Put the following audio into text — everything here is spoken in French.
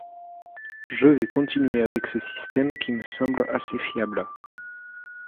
Je vais continuer avec ce système qui me semble assez fiable.